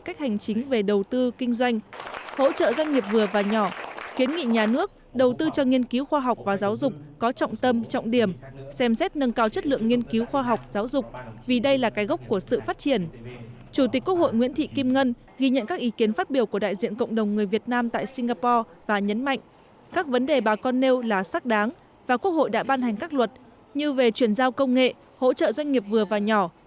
chủ tịch quốc hội nguyễn thị kim ngân ghi nhận các ý kiến phát biểu của đại diện cộng đồng người việt nam tại singapore và nhấn mạnh các vấn đề bà connell là sắc đáng và quốc hội đã ban hành các luật như về chuyển giao công nghệ hỗ trợ doanh nghiệp vừa và nhỏ